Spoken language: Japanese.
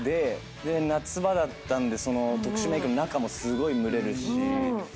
夏場だったんで特殊メークの中もすごい蒸れるし。